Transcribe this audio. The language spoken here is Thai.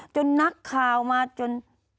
นักข่าวมาจน